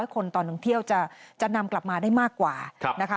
คนตอนท่องเที่ยวจะนำกลับมาได้มากกว่านะคะ